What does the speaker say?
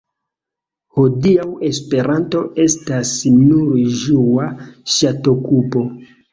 Hodiaŭ Esperanto estas nur ĝua ŝatokupo.